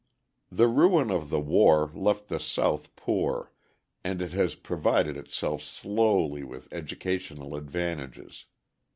The ruin of the war left the South poor, and it has provided itself slowly with educational advantages.